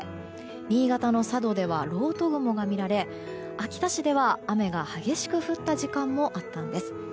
新潟の佐渡ではろうと雲が見られ秋田市では雨が激しく降った時間もあったんです。